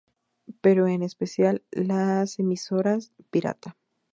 Pero en especial, las emisoras pirata.